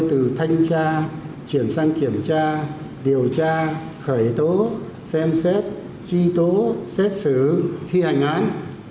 từ thanh tra chuyển sang kiểm tra điều tra khởi tố xem xét truy tố xét xử thi hành án